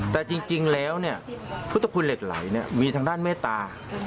แต่จริงแล้วคุณผู้หศึกคุณเหล็กไหลมีทางด้านเมตตามหาอุธ